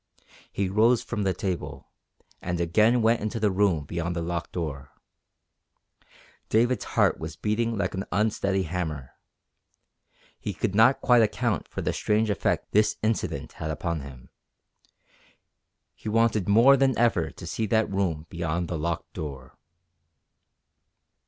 He rose from the table, and again went into the room beyond the locked door. David's heart was beating like an unsteady hammer. He could not quite account for the strange effect this incident had upon him. He wanted more than ever to see that room beyond the locked door.